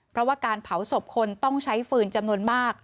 เพราะว่าการเผาศพคนต้องใช้ฟืนจำนวนมาก